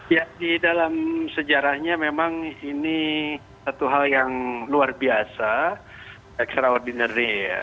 ya di dalam sejarahnya memang ini satu hal yang luar biasa extraordinary ya